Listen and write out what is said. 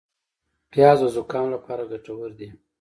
پیاز د زکام لپاره ګټور دي